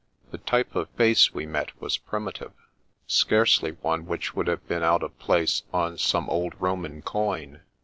The type of face we met was primitive ; scarcely one which would have been out of place on some old Roman coin.